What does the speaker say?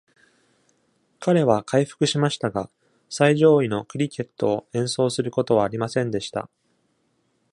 彼は回復しましたが、最上位のクリケットを演奏することはありませんでした。